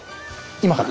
今から。